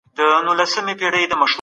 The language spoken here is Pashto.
خپل کور په نېک بوی سره خوشبویه کړئ.